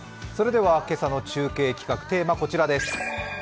今朝の中継企画、テーマはこちらです。